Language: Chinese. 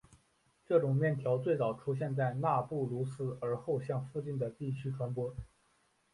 这种面条最早出现在纳布卢斯而后向附近的地区传播。